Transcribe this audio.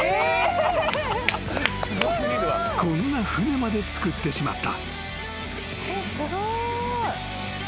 ［こんな舟まで作ってしまった］